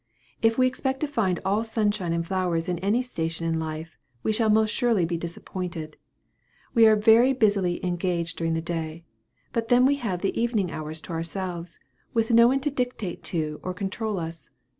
If we expect to find all sunshine and flowers in any station in life, we shall most surely be disappointed. We are very busily engaged during the day; but then we have the evening to ourselves, with no one to dictate to or control us.